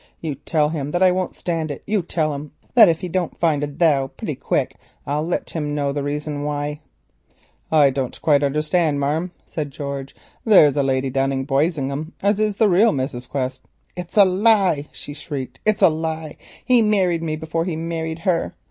You tell him that I won't stand it; you tell him that if he don't find a 'thou.' pretty quick I'll let him know the reason why." "I don't quite understand, marm," said George; "there's a lady down in Boisingham as is the real Mrs. Quest." "It's a lie!" she shrieked, "it's a lie! He married me before he married her.